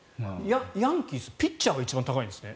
ヤンキース、ピッチャーが一番高いんですね。